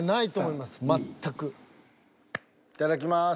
いただきます。